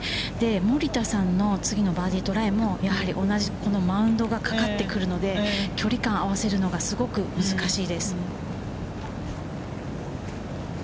森田さんの次のバーディートライもやはり同じマウンドがかかってくるので、距離感を合わせるのがすごく難しいです。